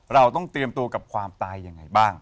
เราต้องเตรียมตัวกับความตายยังไงบ้าง